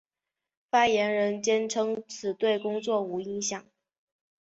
发言人坚称此对工作无影响。